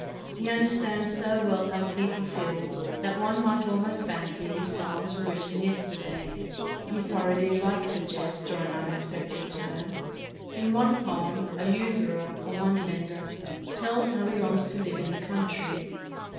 He understands so well how peo ple feel that one might almost fancy his poems were writ ten yesterday. He thoroughly likes a jest or an unex pected turn. In one poem, a usurer, or money lender, tells how he longs to live in the country.